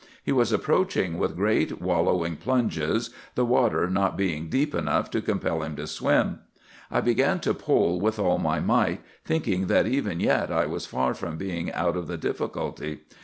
He was approaching with great wallowing plunges, the water not being deep enough to compel him to swim. I began to pole with all my might, thinking that even yet I was far from being out of the difficulty.